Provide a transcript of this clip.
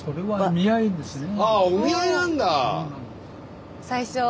お見合いなんだ？